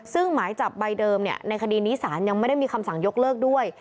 ซึ่งหมายจับใบเดิมในคดีนี้สารยังไม่ได้มีคำสั่งยกเลิกด้วย